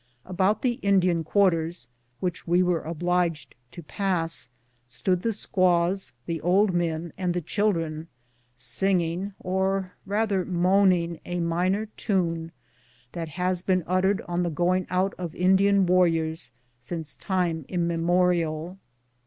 About the Indian quarters, which we were obliged to pass, stood the squaws, the old men, and the children singing, or rather moaning, a minor tune that has been uttered on the going out of Indian warriors since time immemo rial.